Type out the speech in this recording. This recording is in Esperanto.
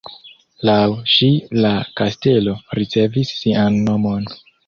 Laŭ ŝi la kastelo ricevis sian nomon.